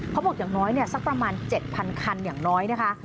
เขาบอกอย่างน้อยสักประมาณ๗พันคันอย่างน้อยนะคะ